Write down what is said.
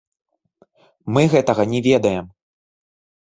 Мы гэтага не ведаем.